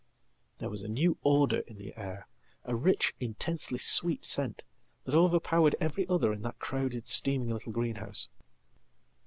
There was a new odour in the air, a rich, intensely sweet scent, thatoverpowered every other in that crowded, steaming little greenhouse.